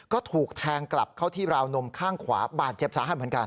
ก็ถูกแทงกลับเข้าที่ราวนมข้างขวาบาดเจ็บสาหัสเหมือนกัน